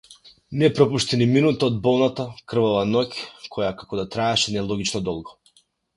Не пропушти ни минута од болната, крвава ноќ која како да траеше нелогично долго.